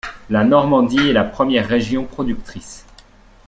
La Normandie est la première région productrice.